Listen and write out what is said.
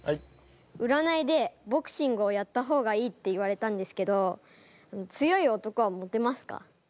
うらないでボクシングをやった方がいいって言われたんですけど強い男はモテますか？